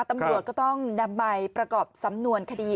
ตำรวจก็ต้องนำไปประกอบสำนวนคดี